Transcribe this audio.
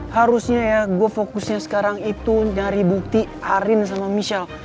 harusnya ya gue fokusnya sekarang itu dari bukti arin sama michelle